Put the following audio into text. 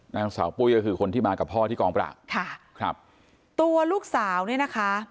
นางสาวปุ้ยก็คือคนที่มากับพ่อที่กองปราบค่ะครับตัวลูกสาวเนี่ยนะคะ